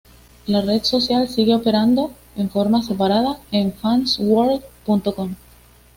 La red social sigue operando, en forma separada, en Fansworld.com.